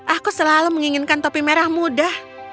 aku selalu menginginkan topi merah muda